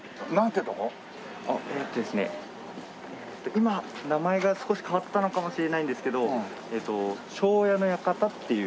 今名前が少し変わったのかもしれないんですけど庄屋の館っていう。